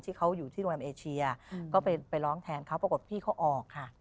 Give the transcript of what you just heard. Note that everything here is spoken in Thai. ที่เขาอยู่ที่โรงแรมเอเชียก็ไปร้องแทนเขาปรากฏพี่เขาออกค่ะ